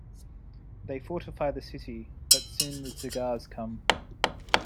They fortify the city, but soon the Tugars come.